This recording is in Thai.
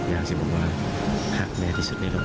อยากจะบอกว่าหักแม่ที่สุดได้ร่วง